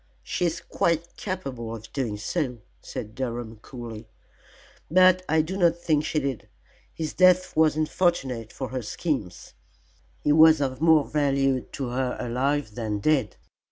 "She is quite capable of doing so," said Durham, coolly, "but I do not think she did. His death was unfortunate for her schemes; he was of more value to her alive than dead.